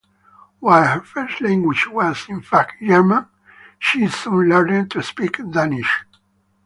While her first language was, in fact, German, she soon learned to speak Danish.